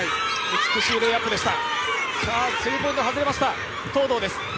美しいレイアップでした。